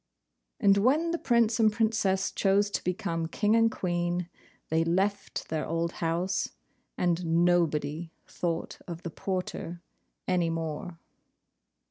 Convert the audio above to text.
And when the Prince and Princess chose to become King and Queen, they left their old house, and nobody thought of the porter any more.